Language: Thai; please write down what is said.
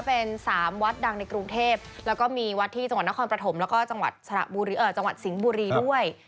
เป็น๓วัดดังในกรุงเทพแล้วก็มีวัดที่จังหวัดนครปฐมแล้วก็จังหวัดสิงห์บุรีด้วย